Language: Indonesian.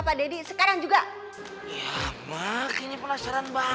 pokoknya pak deddy gak usah lah mak